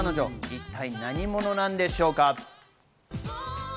一体何者なんでしょうか？